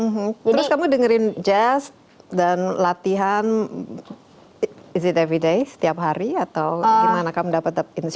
hmm terus kamu dengerin jazz dan latihan is it eviday setiap hari atau gimana kamu dapat insight